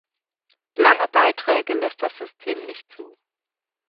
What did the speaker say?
Lange Beiträge lässt das System nicht zu.